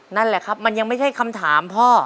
นั่นแหละครับมันยังไม่ใช่คำถามพ่อ